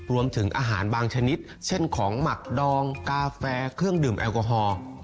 รวมถึงอาหารบางชนิดเช่นของหมักดองกาแฟเครื่องดื่มแอลกอฮอล์